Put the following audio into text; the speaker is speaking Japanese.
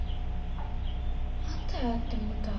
またやってもうたわ。